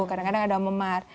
kadang kadang ada memar